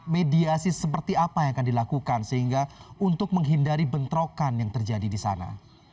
mediasi seperti apa yang akan dilakukan sehingga untuk menghindari bentrokan yang terjadi di sana